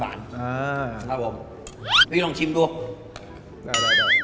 อ่าครับผมนี่ลองชิมดู